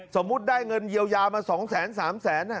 สมมุติได้เงินเยียวยามา๒๓แสน